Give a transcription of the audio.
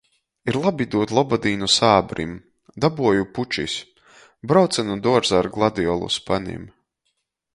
Ir labi dūt lobadīnu sābrim. Dabuoju pučis. Brauce nu duorza ar gladiolu spanim.